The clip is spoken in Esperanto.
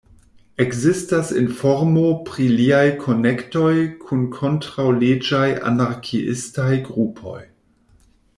Ekzistas informo pri liaj konektoj kun kontraŭleĝaj anarkiistaj grupoj.